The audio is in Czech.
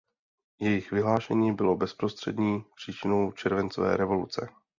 Jejich vyhlášení bylo bezprostřední příčinou Červencové revoluce.